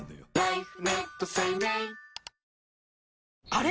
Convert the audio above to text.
あれ？